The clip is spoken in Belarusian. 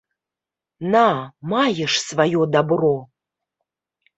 На, маеш сваё дабро!